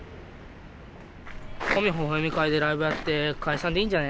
保見ほほえみ会でライブやって解散でいいんじゃない？